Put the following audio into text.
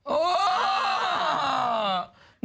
โอ้โห